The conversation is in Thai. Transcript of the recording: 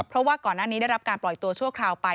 เพราะว่าก่อนหน้านี้ได้รับการปล่อยตัวชั่วคราวไป